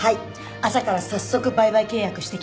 朝から早速売買契約してきました。